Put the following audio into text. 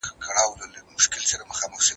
پاڼې چې کومه څانګه نیولې وه کلکه وه.